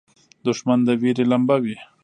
دښمن د وېرې لمبه وي